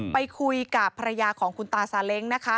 ไปคุยกับภรรยาของคุณตาซาเล้งนะคะ